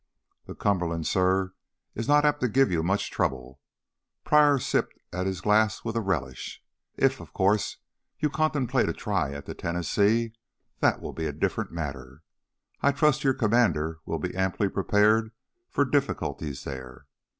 "The Cumberland, suh, is not apt to give you much trouble." Pryor sipped at his glass with a relish. "If, of course, you contemplate a try at the Tennessee that will be a different matter. I trust your commander will be amply prepared for difficulties there.